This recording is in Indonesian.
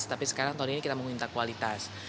tapi sekarang tahun ini kita mau minta kualitas